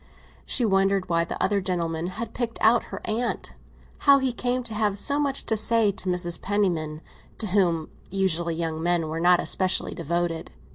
She wondered why the other gentleman had picked out her aunt—how he came to have so much to say to Mrs. Penniman, to whom, usually, young men were not especially devoted.